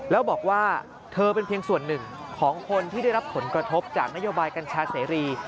แล้วบอกว่าเธอเป็นเพียงส่วนหนึ่งของคนที่ได้รับผลกระทบจากนโยบายกัญชาเสรี